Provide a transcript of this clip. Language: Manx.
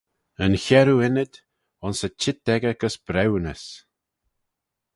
Yn chiarroo ynnyd, ayns y çheet echey gys briwnys.